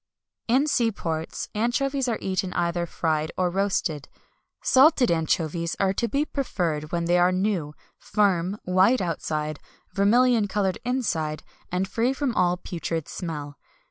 In sea ports, anchovies are eaten either fried or roasted. Salted anchovies are to be preferred when they are new, firm, white outside, vermilion coloured inside, and free from all putrid smell.